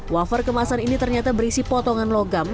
wafer kemasan ini ternyata berisi potongan logam